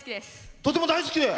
とても大好きです。